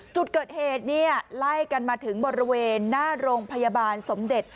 จุดเกิดเหตุเนี่ยไล่กันมาถึงบริเวณหน้าโรงพยาบาลสมเด็จ